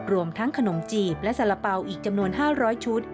รวมทั้งขนมจีบและสาระเป๋าอีกจำนวน๕๐๐ชุด